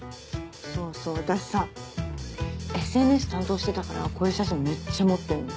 そうそう私さＳＮＳ担当してたからこういう写真めっちゃ持ってんの。